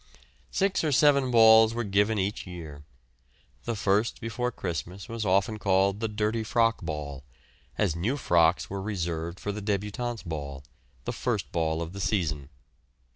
Six or seven balls were given each year. The first before Christmas was often called the dirty frock ball, as new frocks were reserved for the débutantes' ball, the first ball of the season.